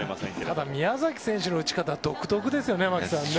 ただ、宮崎選手の打ち方は独特ですよね。